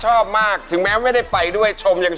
ชอบมากถึงแม้สมัยไม่ได้ไปด้วย